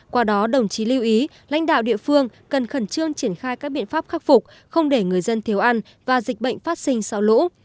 qua đó đồng chí lưu ý lãnh đạo địa phương cần khẩn trương triển khai các biện pháp khắc phục không để người dân thiếu ăn và dịch bệnh phát sinh sau lũ